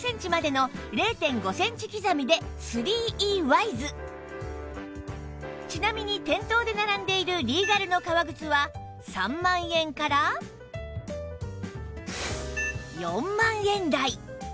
サイズはちなみに店頭で並んでいるリーガルの革靴は３万円から４万円台